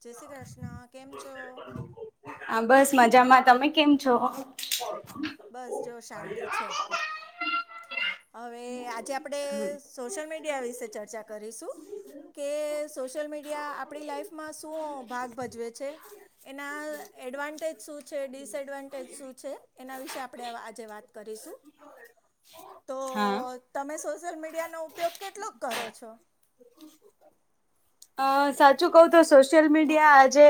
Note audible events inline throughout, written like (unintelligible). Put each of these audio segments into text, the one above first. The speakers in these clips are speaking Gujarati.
જય શ્રી કૃષ્ણ, કેમ છો? હા બસ મજામાં, તમે કેમ છો? બસ જો શાંતિ છે. હવે આજે આપડે સોશિયલ મીડિયા વિશે ચર્ચા કરીશું. કે સોશિયલ મીડિયા આપડી લાઈફમાં શું ભાગ ભજવે છે? એના એડવાન્ટેજ શું છે ડિસએડવાન્ટેજ શું છે એના વિશે આપડે આજે વાત કરીશું. તો હા. તમે સોશિયલ મીડિયાનો ઉપયોગ કેટલોક કરો છો? અ સાચું કઉ તો સોશિયલ મીડિયા આજે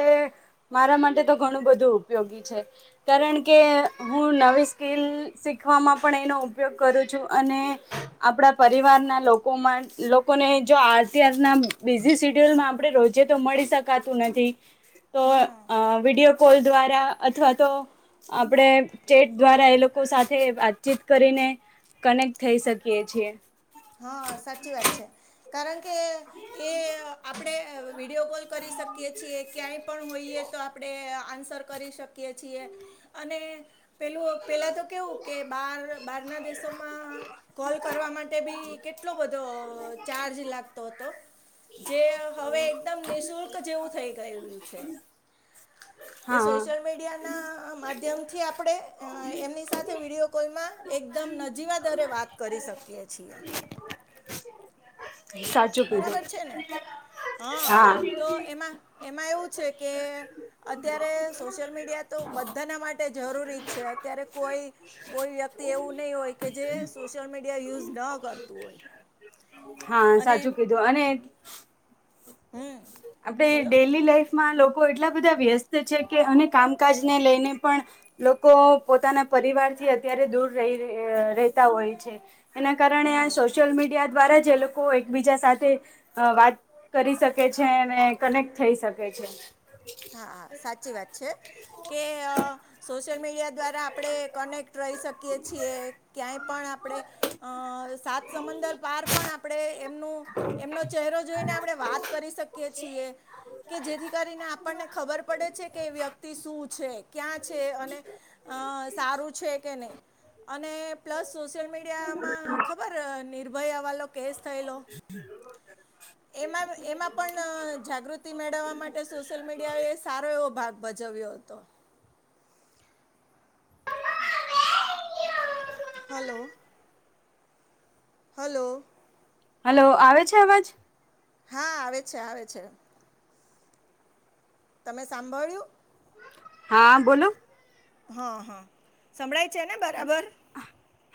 મારા માટે તો ઘણું બધું ઉપયોગી છે. કારણ કે હું નવી સ્કિલ શીખવામાં પણ એનો ઉપયોગ કરું છું અને આપડા પરિવારના લોકોમાં લોકોને જો આરતીયાર ના બિઝી સીડ્યુલમાં આપડે રોજે તો મળી શકાતું નથી તો હમ અ વિડીયો કોલ દ્વારા અથવા તો આપડે ચેટ દ્વારા એ લોકો સાથે વાતચીત કરીને કનેક્ટ થઈ શકીએ છીએ. હ સાચી વાત છે કારણ કે એ આપડે વિડીયો કોલ કરી શકીએ છીએ ક્યાંય પણ હોઈએ તો આપડે આન્સર કરી શકીએ છીએ. અને પેલું પહેલાં તો કેવું કે બાર બારના દેશોમાં કોલ કરવા માટે બી કેટલો બધો અ ચાર્જ લાગતો હતો. જે હવે એકદમ નિઃશુલ્ક જેવું થઈ ગયું છે. એ હા. સોશિયલ મીડિયા (inaudible) માધ્યમ થી આપડે અ એમની સાથે વિડીયો કોલમાં એકદમ નજીવા દરે વાત કરી શકીએ છીએ. સાચું કીધું. હ હા તો એમાં એમાં એવું છે કે અત્યારે સોશિયલ મીડિયા તો બધાના માટે જરૂરી જ છે અત્યારે કોઈ કોઈ વ્યક્તિ એવું નહીં હોય કે જે સોશિયલ મીડિયા યુઝ ન કરતું હોય હા અને સાચું કીધું અને હમ આપણે બોલો ડેઇલી લાઈફમાં લોકો એટલા બધા વ્યસ્ત છે કે અને કામકાજને લઈને પણ લોકો પોતાના પરિવાર થી અત્યારે દૂર રહેતા હોય છે એના કારણે આ સોશિયલ મીડિયા દ્વારા જે લોકો એકબીજા સાથે વાત કરી શકે છે અને કનેક્ટ થઈ શકે છે હા હા સાચી વાત છે કે સોશિયલ મીડિયા દ્વારા આપણે કનેક્ટ રહી શકીએ છીએ ક્યાંય પણ આપણે અ સાત સમંદર પાર પણ આપણે એમનું એમનો ચહેરો જોઈને આપણે વાત કરી શકીએ છીએ કે જેથી કરીને આપણને ખબર પડે છે કે વ્યક્તિ શું છે ક્યાં છે અને સારું છે કે નહી અને પ્લસ સોશિયલ મીડિયામાં ખબર નિર્ભયાવાલો કેસ થયેલો એમાં એમાં પણ જાગૃતિ મેળવવા માટે સોશિયલ મીડિયાએ એ સારો એવો ભાગ ભજવ્યો હતો હલો હલો હલો આવે છે અવાજ હા આવે છે આવે છે તમે સાંભળ્યું હા બોલો હા હા સંભળાય છે ને બરાબર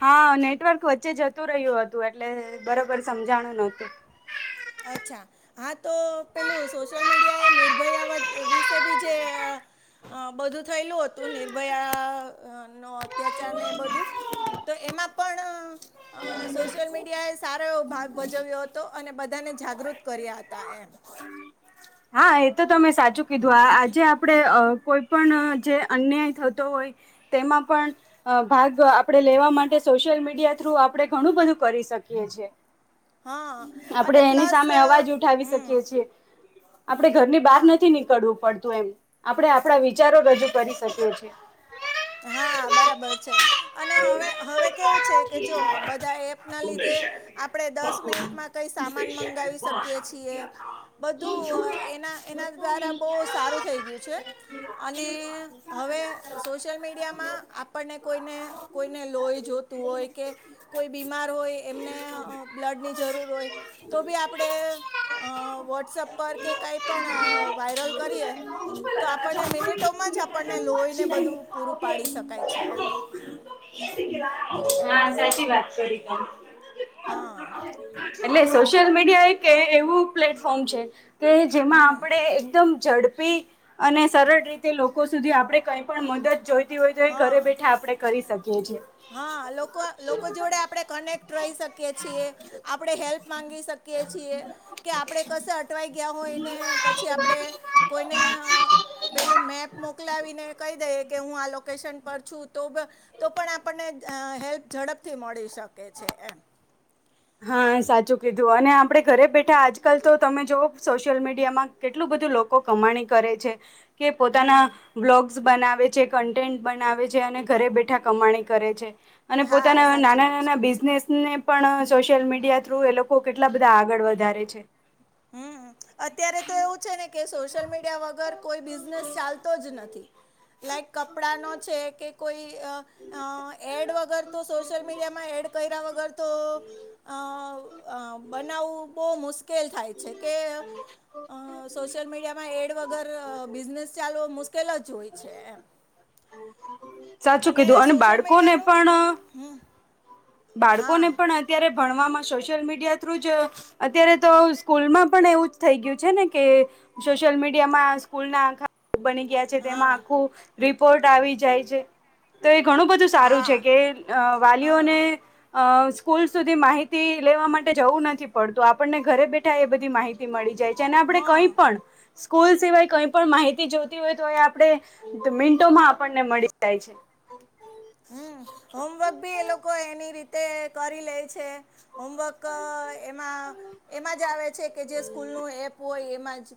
હા નેટવર્ક વચ્ચે જતું રહ્યું હતું એટલે બરોબર સમજાણું ન હોતું અચ્છા હા તો પેલું સોશિયલ મીડિયા એ નિર્ભયા વિશે ભી જે અ બધું થયેલું હતું નિર્ભયા નો અત્યાચારને એ બધું તો એમાં પણ સોશિયલ મીડિયાએ સારો એવો ભાગ ભજવ્યો હતો અને બધાને જાગૃત કર્યા હતા એમ હા એ તો તમે સાચું કીધું આ આજે આપણે કોઈ પણ જે અન્યાય થતો હોય તેમાં પણ ભાગ આપણે લેવા માટે સોશિયલ મીડિયા થ્રુ આપણે ઘણું બધું કરી શકીએ છીએ હા અને આપણે એની પ્લસ સામે અવાજ ઉઠાવી હમ શકીએ છીએ આપણે ઘરની બહાર હા નથી નીકળવું પડતું એમ આપણે આપણા વિચારો રજૂ કરી શકીએ છીએ હા બરાબર છે અને હવે હવે કેવું છે કે જો બધા એપના લીધે આપણે દસ મિનિટમાં કઈ સામાન મંગાવી શકીએ છીએ બધું એના એના દ્વારા બહુ સારું થઈ ગયું છે અને હવે સોશિયલ મીડિયામાં આપણને કોઈને કોઈને લોહી જોતું હોય કે કોઈ બીમાર હોય એમને બ્લડ ની જરૂર હોય તો ભી આપડે અ વોટ્સઅપ પર કે કાંઈ પણ વાયરલ કરીએ તો આપણને મિનિટોમાં જ આપણને લોહીને બધું પૂરું ઓકે પાડી શકાય છે એમ હા સાચી વાત કરી તમે હા એટલે સોશિયલ મીડિયા એક એવું પ્લેટફોર્મ છે કે જેમાં હમ આપણેે એકદમ ઝડપી અને સરળ રીતે લોકો સુધી આપણે કઈ પણ મદદ જોઈ હોય તો એ ઘરે હા બેઠા આપણે કરી શકીએ છીએ હા લોકો જોડે આપણે કનેક્ટ રહી શકીએ છીએ આપણે હેલ્પ માંગી શકીએ છીએ કે આપણે કશે અટવાઈ ગયા હોયને પછી આપડે કોઈને પેલું મેપ મોકલાવીને કહી દઈએ કે હું આ લોકો વકેશન પર છું તો તો પણ આપણને હેલ્પ ઝડપથી મળી શકે છે એમ હા સાચું કીધું અને આપણે ઘરે બેઠા આજકાલ તો તમે જોઓ સોશિયલ મીડિયામાં. કેટલું બધું લોકો કમાણી કરે છે, કે પોતાના હમ બ્લોગ. (unintelligible) બનાવે છે કન્ટેન્ટ બનાવે છે, અને ઘરે બેઠા કમાણી કરે છે. અને હા પોતાના સાચી નાના વાત છે નાના બિઝનેસ ને પણ. સોશિયલ મીડિયા થ્રુ એ લોકો કેટલા બધા આગળ વધારે છે. હમ અત્યારે તો એવું છે, ને. કે સોશિયલ મીડિયા વગર કોઈ બિઝનેસ ચાલતો જ નથી. લાઈક કપડા નો છે, કે કોઈ. એડ વગર તો સોશિયલ મીડિયામાં એડ કર્યા વગર તો. અ બનાવવું બહુ મુશ્કેલ થાય છે, કે અ સોશિયલ મીડિયામાં એડ વગર બિઝનેસ ચાલવો મુશ્કેલ જ હોય છે, એમ. સાચું કીધું અને સોશિયલ બાળકોને મીડિયાનું પણ. હા (unintelligible) બાળકોને પણ અત્યારે ભણવામાં સોશિયલ મીડિયા થ્રુ જ. અત્યારે તો સ્કૂલમાં પણ એવું જ થઈ ગયું છે, ને કે. સોશિયલ મીડિયા સ્કૂલ ના બની ગયા. હા તેમાં આખું રિપોર્ટ આવી જાય છે. તો એ ઘણું બધું સારું છે, હા કે હા વાલીઓને. અ સ્કૂલ સુધી માહિતી લેવા માટે જવું નથી પડતું આપણને ઘરે બેઠા એ બધી માહિતી. મળી જાય છે, અને આપડણે હા કઈ પણ. સ્કૂલ સિવાય કઈ પણ માહિતી જોતી હોય તો એ આપણે મિંન્ટોમાં આપણને મળી જાય છે. હમ હોમવર્ક બી એ લોકો એની રીતે કરી લે છે. હોમવર્ક એમાં એમાં જ આવે છે, કે જે સ્કૂલનું એપ હોય એમાં જ.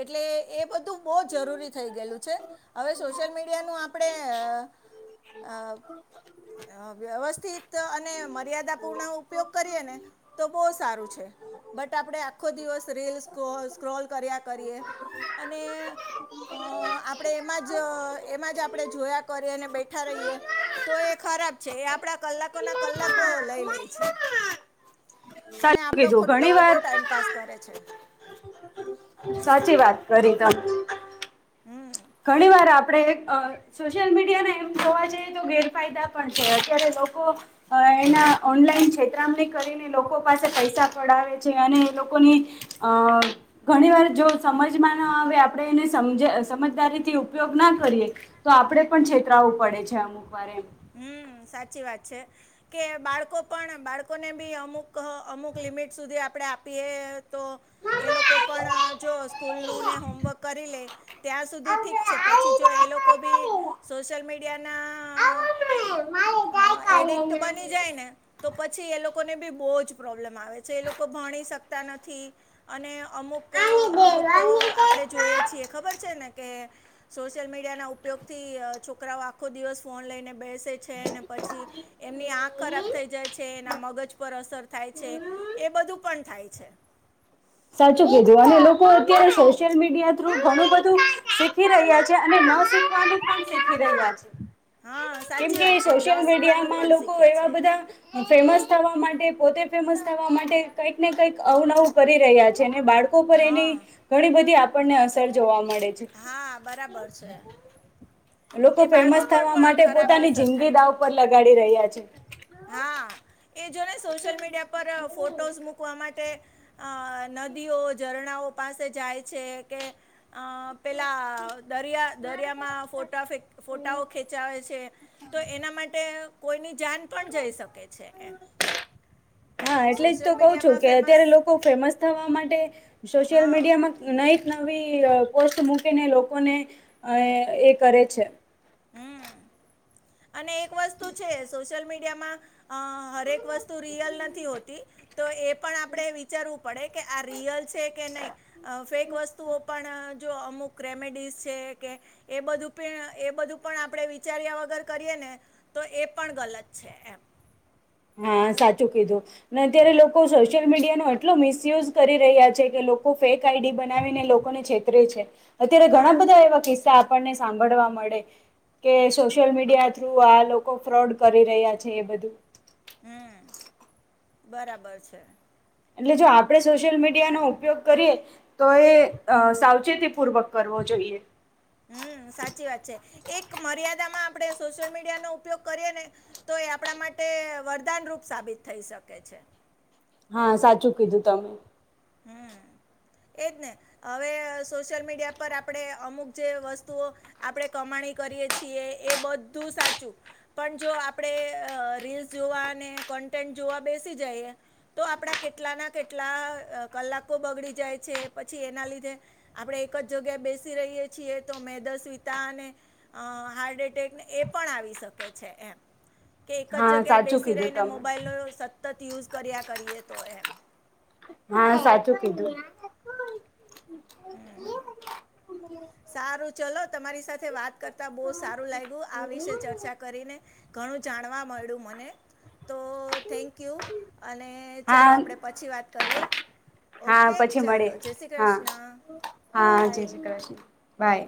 એટલે એ બધું બહુ જરૂરી થઈ ગયેલું છે, હવે સોશિયલ મીડિયાનું આપ હ (unintelligible) વ્યવસ્થિત અને મર્યાદાપૂર્ણ ઉપયોગ કરીએ ને. તો બહુ સારું છે, બટ આપણે આખો દિવસ રીલ સ્ક્રોલ કર્યા કરીએ. અને. અ આપણે એમાં જ એમાં જ આપણે જોયા કરી અને બેઠા રહીએ. તો એ ખરાબ છે, એ આપડા કલાકો ના કલાકો લઈ લે છે. સાચું (unintelligible) ઘણી વાર. પાસ કરે છે. (unintelligible) સાચી વાત કરી (unintelligible) હમ. ઘણી વાર આપણે (unintelligible) સોશિયલ મીડિયાને એમ જોવા જઈએ તો ગેરફાયદા પણ છે, અત્યારે લોકો. અ એના ઓનલાઈન કતરામને કરીને લોકો પાસે પૈસા પડાવે છે, અને લોકોની. અ ઘણી વાર જો સમજમાં ના આવે આપણેે એને સમજ સમજદારીથી. ઉપયોગ ના કરીએ તો આપડે પણ (unintelligible) પડે છે, અમુક વારે. હમ સાચી (unintelligible) છે. કે બાળકો પણ બાળકોને બી અમુક અમુક લિમિટ સુધી આપણે આપીએ. તો એ લોકો પણ જો સ્કૂલનું ને હોમવર્ક કરી લે. ત્યાં સુધી ઠીક છે, પછી જો એ લોકો બી સોશિયલ મીડિયાના હ એડિક્ટ બની જાય ને. તો પછી એ લોકોને બી બહુ જ પ્રોબ્લેમ આવે છે, એ લોકો ભણી શકતા નથી. અને અમુક અમુક તો આપણે જોઈ છીએ ખબર છે, ને કે સોશિયલ મીડિયાના ઉપયોગ થી છોકરાઓ આખો દિવસ ફોન લઈને બેસ છે, અને પછી એમની આંખ ખરાબ થઈ જાય છે, એના મગજ પર અસર થાય છે. એ બધું પણ થાય છે. સાચું કીધું અને લોકો અત્યારે સોશિયલ મીડિયા થ્રુ ઘણું બધું શીખી રહ્યા છે અને પણ શીખી રહ્યા છે. હા સાચી કેમકે વાત છે ન સોશિયલ શીખવાનું મીડિયામાં પણ લોકો શીખે એવા છે એ બધા લોકો ફેમસ થવા માટે પોતે ફેમસ થવા માટે કઈક ને કઈક અવનવું કરી રહ્યા છે અને બાળકો પર એની હા ઘણી બધી આપણને અસર જોવા મળે છે. હા બરાબર છે. લોકો એ ફેમસ બાળકો પર થવા પણ માટે ખરાબ પોતાની અસર થાય જિંદગી છે દાવ પર લગાડી રહ્યા છે. હા એ જો ને સોશિયલ મીડિયા પર ફોટોઝ મક મૂકવા માટે અ નદીઓ ઝરણાઓ પાસે જાય છે કે અ પેલા દરિયા દરિયામાં ફોટા ફોટાઓ ખેચાવે છે તો એના માટે કોઈની જાન પણ જઈ શકે છે એમ. હા એટલે જ તો સોશિયલ કહ છું મીડિયામાં કે ફેમસ અત્યારે લોકો ફેમસ થવા માટે સોશિયલ હા મીડિયામાં નઈ નવી પોસ્ટ મૂકીને લોકોને અ એ કરે છે. (inaudible) હમ (inaudible) અને એક વસ્તુ છે સોશિયલ મીડિયામાં અ હરેક વસ્તુ રિયલ નથી હોતી. તો એ પણ આપણે વિચારવું પડે કે આ રિયલ છે કે નહી. અ ફેક વસ્તુઓ પણ જો અમુક રેમેડીઝ છે કે એ બધું પણ એ બધું પણ આપણે વિચાર્યા વગર કરીએ ને તો એ પણ ગલત છે એમ. હા સાચું કીધું. ને અત્યારે લોકો સોશિયલ મીડિયા નો એટલો મિસયુઝ કરી રહ્યા છે કે લોકો ફેક આઈડી બનાવીને લોકોને છે છે અત્યારે ઘણા હા બધા એવા કિસ્સા આપણને સાંભળવા મળે કે સોશિયલ મીડિયા થ્રુ આ લોકો ફ્રોડ કરી રહ્યા છે એ બધું. હમ બરાબર છે. એટલે જો આપણે સોશિયલ મીડિયાનો ઉપયોગ કરીએ તો એ સાવચેતી પૂર્વક કરવો જોઈએ. હમ સાચી વાત છે એક મર્યાદામાં આપડે સોશિયલ મીડિયાનો ઉપયોગ કરીએ ને તો એ આપણા માટે વરદાનરૂપ સાબિત થઈ શકે છે. હા સાચું કીધું તમે. (inaudible) એજ ને હવે સોશિયલ મીડિયા પર આપણે અમુક જે વસ્તુઓ આપડે કમાણી કરીએ છીએ એ બધું સાચું પણ જો આપણેે રીલ્સ જોવા અને કોન્ટેન્ટ જોવા બેસી જઈએ તો આપડા કેટલાના કેટલા કલાકો બગડી જાય છે પછી એના લીધે આપણે એક જ જગ્યાએ બેસી રહીએ છીએ તો મેદ સ્વિતા અને હાર્ટ એટેકને એ પણ આવી શકે છે એમ. કે એક જ હા જગ્યાએ સાચું બેસી કીધું રહીને તમે મોબાઈલનો સતત યુઝ કર્યા કરીએ તો એમ. હા સાચું કીધું. હમ. સારું ચલો તમારી સાથે વાત કરતા બહુ સારું લાઇગુ આ વિષે ચર્ચા કરીને. ઘણું જાણવા મળ્યું મને તો થેન્કયુ અને ચાલો હા આપણે પછી વાત કરીએ. હા ઓકે પછી મળે ચાલો જય શ્રી હા કૃષ્ણ હા જય બાય શ્રી કૃષ્ણ બાય.